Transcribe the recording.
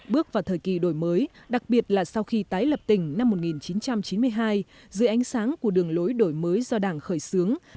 bước vào thời kỳ đổi mới đặc biệt là sau khi tái lập tỉnh năm một nghìn chín trăm chín mươi hai dưới ánh sáng của đường lối đổi mới do đảng khởi xướng